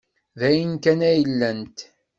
D ayen kan ay lant.